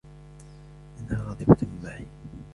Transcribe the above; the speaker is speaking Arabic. إنها غاضبة معي.